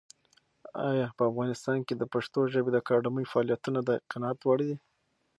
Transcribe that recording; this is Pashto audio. ایا په افغانستان کې د پښتو ژبې د اکاډمۍ فعالیتونه د قناعت وړ دي؟